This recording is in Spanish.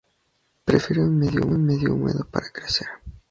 Prefiere un medio húmedo para crecer.